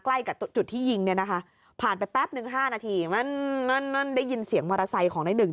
ใกล้กับจุดที่ยิงผ่านไปแป๊บนึง๕นาทีได้ยินเสียงมอเตอร์ไซค์ของหนึ่ง